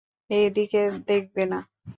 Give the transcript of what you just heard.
এদিকে দেখবে না।